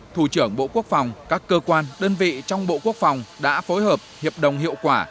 thủ trưởng bộ quốc phòng các cơ quan đơn vị trong bộ quốc phòng đã phối hợp hiệp đồng hiệu quả